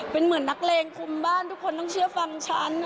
เป็นเหมือนนักเลงคุมบ้านทุกคนต้องเชื่อฟังฉัน